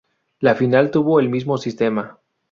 La final tuvo el mismo sistema.